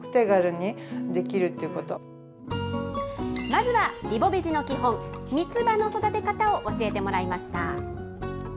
まずはリボベジの基本、みつばの育て方を教えてもらいました。